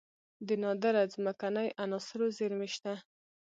د نادره ځمکنۍ عناصرو زیرمې شته